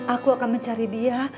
aku akan mencari dia